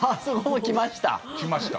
来ました。